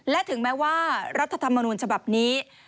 และถึงแม้ว่ารัฐธรรมนูญฉบับนี้